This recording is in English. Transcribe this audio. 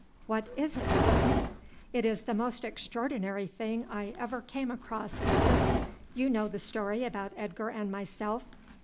"What is it, Clinton?" "It is the most extraordinary thing I ever came across, Easton. You know the story about Edgar and myself.